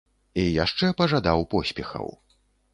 І яшчэ пажадаў поспехаў.